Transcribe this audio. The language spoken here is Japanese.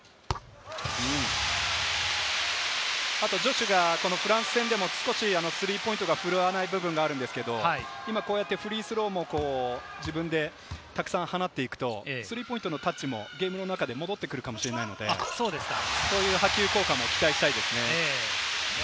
ジョシュがフランス戦でも少しスリーポイントが振るわない部分があるんですけれど、フリースローも自分でたくさん放っていくと、スリーポイントのタッチもゲームの中で戻ってくるかもしれないので、そういう波及効果も期待したいですね。